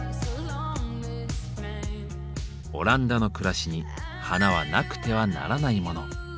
オランダの暮らしに花はなくてはならないモノ。